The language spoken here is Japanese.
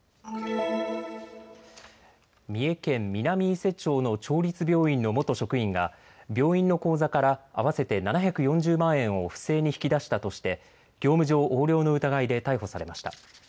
三重県南伊勢町の町立病院の元職員が病院の口座から合わせて７４０万円を不正に引き出したとして業務上横領の疑いで逮捕されました。